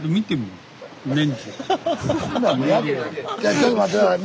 ちょっと待って下さい。